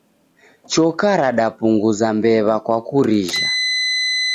Choka radapunguza mbew'a kwa kurijha